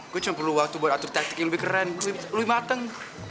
gue cuma perlu waktu buat atur teknik yang lebih keren lebih mateng